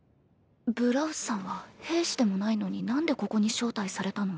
ブラウスさんは兵士でもないのに何でここに招待されたの？